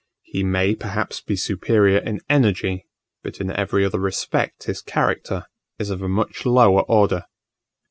He may, perhaps be superior in energy, but in every other respect his character is of a much lower order.